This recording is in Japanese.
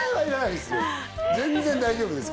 全然大丈夫ですから。